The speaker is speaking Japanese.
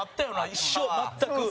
一緒、全く。